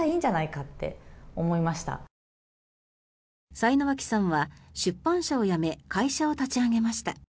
幸脇さんは、出版社を辞め会社を立ち上げました。